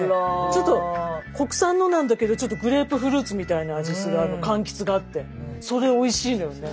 ちょっと国産のなんだけどちょっとグレープフルーツみたいな味するかんきつがあってそれおいしいのよね。